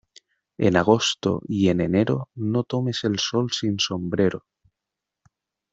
En agosto y en enero no tomes el sol sin sombrero.